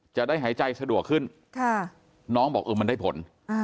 จะได้หายใจสะดวกขึ้นน้องบอกเออมันได้ผล